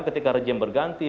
ketika rejim berganti